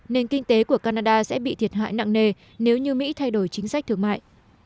nền kinh tế của canada sẽ bị thiệt hại nặng nề nếu như mỹ thay đổi chính sách thương mại